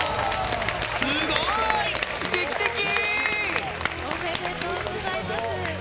すごい！おめでとうございます。